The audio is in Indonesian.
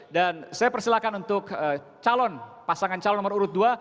dan saya persilakan untuk pasangan calon nomor urut dua